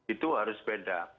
itu harus beda